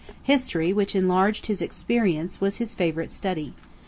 History, which enlarged his experience, was his favorite study.